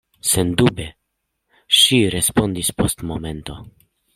Sendube, ŝi respondis post momento.